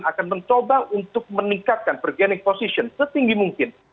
akan mencoba untuk meningkatkan bergening position setinggi mungkin